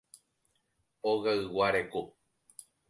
Ogaygua reko.